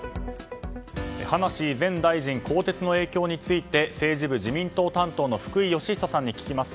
葉梨前大臣更迭の影響について政治部自民党担当の福井慶仁さんに聞きます。